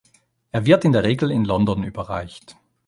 Er wird in der Regel in London überreicht.